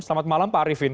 selamat malam pak arifin